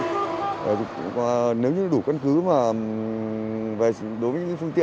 nếu như đủ căn cứ đối với những phương tiện cơ nới thành thục thì chúng tôi sẽ ghi nhận lại việc bây giờ phương tiện không chấp hành